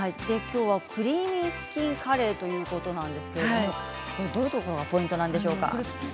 きょうはクリーミーチキンカレーということなんですがどういうところがポイントなんでしょうか？